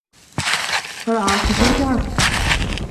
فَالعاصِفاتِ عَصفًا